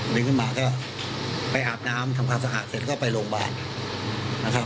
ดึงขึ้นมาก็ไปอาบน้ำทำความสะอาดเสร็จก็ไปโรงพยาบาลนะครับ